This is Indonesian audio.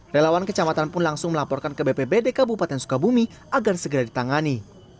relawan kecamatan pun langsung melaporkan ke bpbd kabupaten sukabumi agar segera ditangani